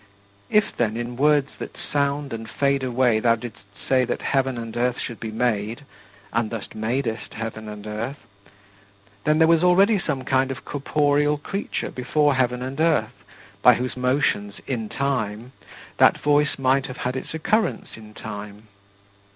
If, then, in words that sound and fade away thou didst say that heaven and earth should be made, and thus madest heaven and earth, then there was already some kind of corporeal creature before heaven and earth by whose motions in time that voice might have had its occurrence in time.